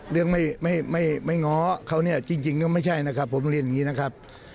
เรื่องไม่ง้อเขาเนี่ยจริงก็ไม่ใช่นะครับผมเรียนอย่างนี้นะครับ